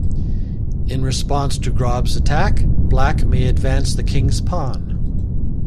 In response to Grob's Attack, Black may advance the king's pawn.